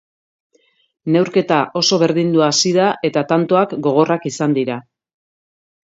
Neurketa oso berdindua hasi da eta tantoak gogorrak izan dira.